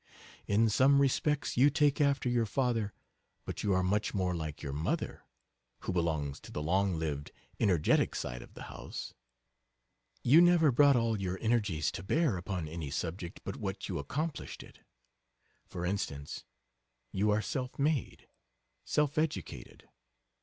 In some respects you take after your father, but you are much more like your mother, who belongs to the long lived, energetic side of the house.... You never brought all your energies to bear upon any subject but what you accomplished it for instance, you are self made, self educated. S. L. C.